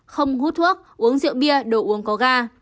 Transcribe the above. không hút thuốc uống rượu bia đồ uống có ga